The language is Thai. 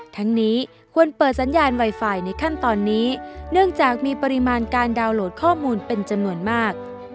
ทั้งนี้ควรเปิดสัญญาณไวไฟในขั้นตอนนี้เนื่องจากมีปริมาณการดาวน์โหลดข้อมูลเป็นจำนวนมาก